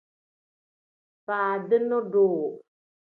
Faadini duu.